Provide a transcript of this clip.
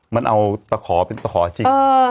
มันเอาตะขอเป็นตะขอจริง